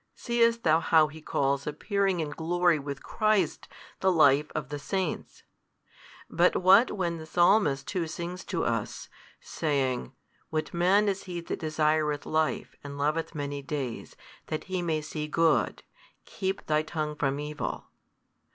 Seest thou how he calls appearing in glory with Christ the life of the saints? But what when the Psalmist too sings to us, saying, What man is he that desireth life, and loveth many days, that he may see good? Keep thy tongue from evil.